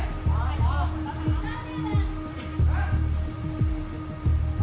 สวัสดีครับ